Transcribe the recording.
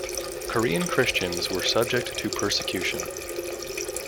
Korean Christians were subject to persecution.